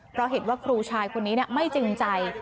เพราะเห็นว่าครูชายคนนี้ไม่จริงใจ